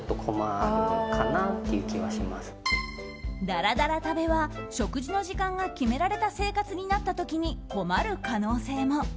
ダラダラ食べは食事の時間が決められた生活になった時に困る可能性も。